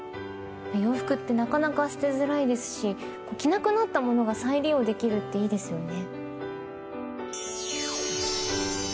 洋服ってなかなか捨てづらいですし着なくなった物が再利用できるっていいですよね。